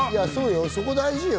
そこ大事よ。